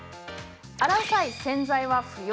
洗う際、洗剤は不要。